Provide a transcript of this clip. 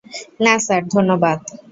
না স্যার, ধন্যবাদ।